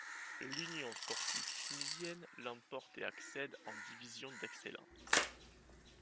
L'Union sportive tunisienne l'emporte et accède en division d'excellence.